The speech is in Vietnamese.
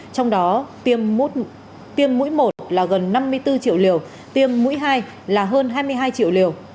trong đó tiêm mũi một là gần năm mươi bốn triệu liều tiêm mũi hai là hơn hai mươi hai triệu liều